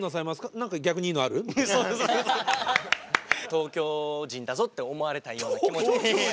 東京人だぞって思われたいような気持ちで。